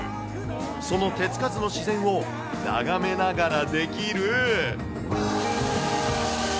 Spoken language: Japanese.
その手つかずの自然を眺めながらできる。